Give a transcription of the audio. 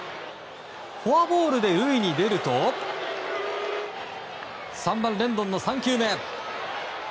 フォアボールで塁に出ると３番レンドンの３球目。